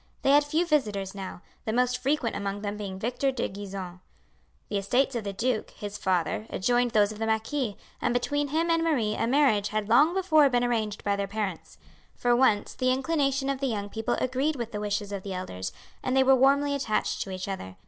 They had few visitors now; the most frequent among them being Victor de Gisons. The estates of the duke, his father, adjoined those of the marquis, and between him and Marie a marriage had long before been arranged by their parents. For once the inclination of the young people agreed with the wishes of the elders, and they were warmly attached to each other.